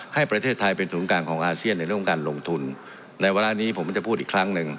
ให้ประเทศไทยเป็นศูนย์กลางของอาเซียนในเรื่องของการลงทุนในเวลานี้ผมจะพูดอีกครั้งหนึ่ง